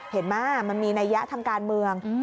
เห็นไหมมันมีนัยยะทางการเมือง